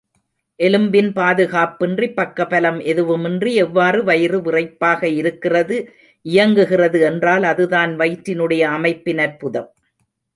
எலும்பின் பாதுகாப்பின்றி, பக்கபலம் எதுவுமின்றி, எவ்வாறு வயிறு விறைப்பாக இருக்கிறது, இயங்குகிறது என்றால், அதுதான் வயிற்றினுடைய அமைப்பின் அற்புதம்.